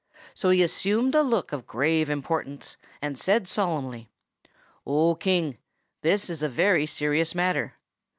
So he assumed a look of grave importance, and said solemnly, "O King, this is a very serious matter.